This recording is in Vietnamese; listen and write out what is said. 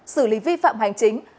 xử lý vi phạm hành chính